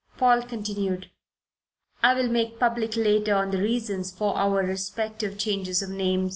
Paul continued. "I will make public later on the reasons for our respective changes of name.